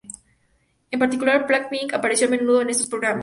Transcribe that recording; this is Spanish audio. En particular, Black Pink apareció a menudo en esos programas.